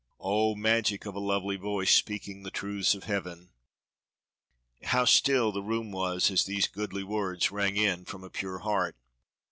Oh! magic of a lovely voice speaking the truths of Heaven! How still the room was as these goodly words rang in it from a pure heart.